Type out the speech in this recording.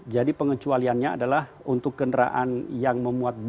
jadi pengecualiannya adalah untuk kendaraan barang yang beroperasi di jbb